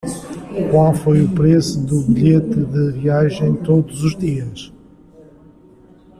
Qual foi o preço do bilhete de viagem todos os dias?